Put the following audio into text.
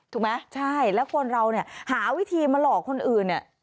ถูกไหมใช่แล้วคนเราเนี่ยหาวิธีมาหลอกคนอื่นเนี่ย